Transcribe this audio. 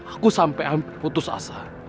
aku sampai putus asa